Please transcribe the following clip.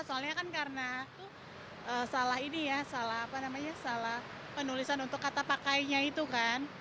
soalnya kan karena salah ini ya salah penulisan untuk kata pakainya itu kan